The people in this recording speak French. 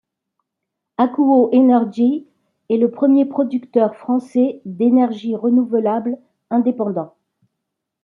Akuo Energy est le premier producteur français d'énergie renouvelable indépendant.